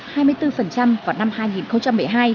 xuống một mươi năm vào năm hai nghìn một mươi hai